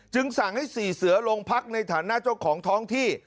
สั่งให้๔เสือโรงพักในฐานะเจ้าของท้องที่